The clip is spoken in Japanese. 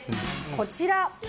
こちら。